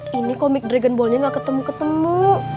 ini komik dragon ballnya gak ketemu ketemu